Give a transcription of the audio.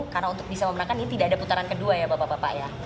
karena untuk bisa memenangkan ini tidak ada putaran kedua ya bapak bapak ya